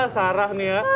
sarah nih ya